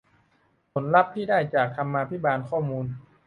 ผลลัพธ์ที่ได้จากธรรมาภิบาลข้อมูล